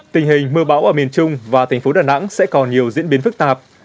tình hình mưa bão ở miền trung và thành phố đà nẵng sẽ còn nhiều diễn biến phức tạp